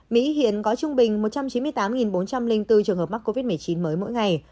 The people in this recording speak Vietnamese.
mỹ hiện có trung bình một trăm chín mươi tám bốn trăm linh bốn trường hợp mắc covid một mươi chín mới mỗi ngày